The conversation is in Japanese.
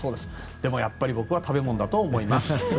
でも、僕はやっぱり食べ物だと思います。